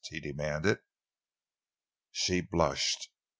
he demanded. She blushed.